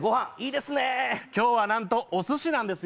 今日はなんとおすしなんですよ。